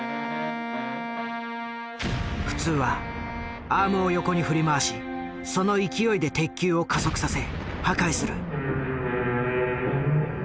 普通はアームを横に振り回しその勢いで鉄球を加速させ破壊する。